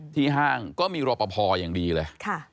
ที่ห้างก็มีรฐปภอยังดีเลย